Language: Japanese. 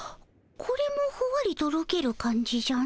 これもふわりとろける感じじゃの。